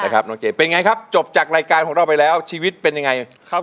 ครับเป็นไงครับจบจากรายการของเราไปแล้วชีวิตเป็นยังไง